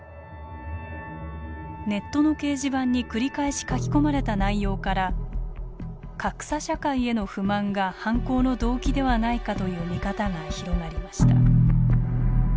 ネットの掲示板に繰り返し書き込まれた内容から格差社会への不満が犯行の動機ではないかという見方が広がりました。